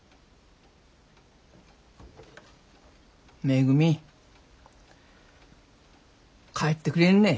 めぐみ帰ってくれんね。